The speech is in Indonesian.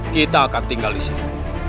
kita akan tinggal disini